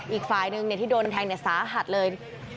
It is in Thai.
อีกฝ่ายหนึ่งที่โดนแทงสาหัสเลย